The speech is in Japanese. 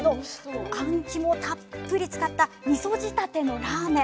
あん肝をたっぷり使ったみそ仕立てのラーメン。